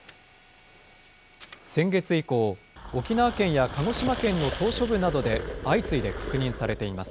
先月以降、沖縄県や鹿児島県の島しょ部などで相次いで確認されています。